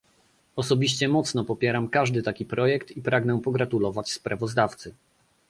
Osobiście mocno popieram każdy taki projekt i pragnę pogratulować sprawozdawcy